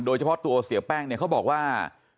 โดยเฉพาะตัวเสียแป้งเนี่ยเขาบอกว่า